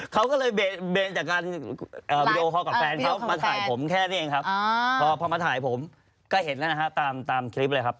ใกล้เห็นแล้วนะฮะตามคลิปเลยครับ